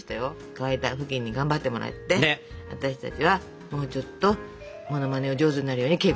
乾いたふきんに頑張ってもらって私たちはもうちょっとモノマネを上手になるように稽古しようかこの時間。